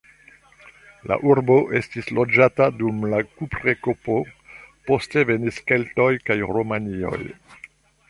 La urbo estis loĝata dum la kuprepoko, poste venis keltoj kaj romianoj.